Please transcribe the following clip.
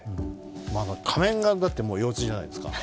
仮面がだって幼稚じゃないですか。